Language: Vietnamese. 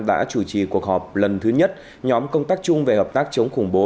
đã chủ trì cuộc họp lần thứ nhất nhóm công tác chung về hợp tác chống khủng bố